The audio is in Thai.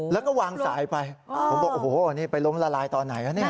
แล้วก็วางสายไปผมบอกโอ้โหนี่ไปล้มละลายตอนไหนคะเนี่ย